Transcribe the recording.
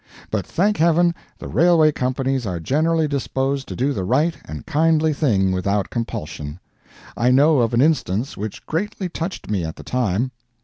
But, thank Heaven, the railway companies are generally disposed to do the right and kindly thing without compulsion. I know of an instance which greatly touched me at the time.